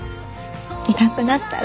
いなくなったら。